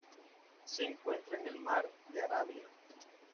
Se encuentra en el mar de Arabia.